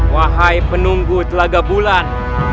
wahai penunggu telaga bulan